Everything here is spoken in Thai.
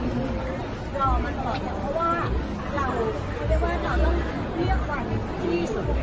ทุกคนโดยมันบอกว่าว่าเราเรียกวันที่ดีที่สุด